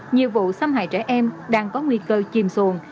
nhiều vụ xâm hại trẻ em đang có nguy cơ chìm xuồng